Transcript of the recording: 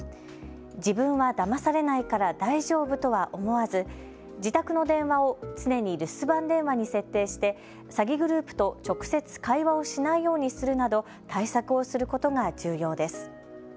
自分はだまされないから大丈夫とは思わず自宅の電話を常に留守番電話に設定して詐欺グループと直接会話をしないようにするなど対策をすることが重要です。